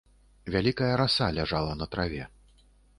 Вялікая раса ляжала на траве.